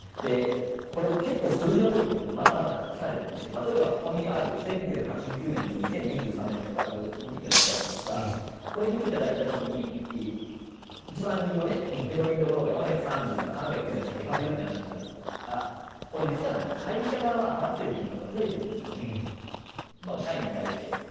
これ、数字のトリックがまだまだ隠されていましてここにある１９８９年と２０２３年の比較を見ていただきたいんですがこれを見ていただいた時に一番右の手取りのところが４３０から３９８に減っているという話ですが実は会社側は払っている金額は増えてるんです、社員に対して。